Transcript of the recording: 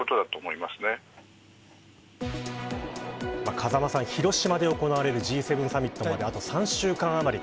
風間さん、広島で行われるＧ７サミットまであと３週間あまり。